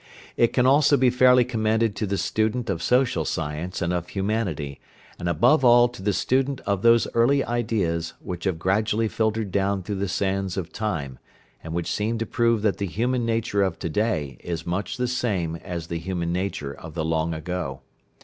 It can also be fairly commended to the student of social science and of humanity, and above all to the student of those early ideas, which have gradually filtered down through the sands of time, and which seem to prove that the human nature of to day is much the same as the human nature of the long ago.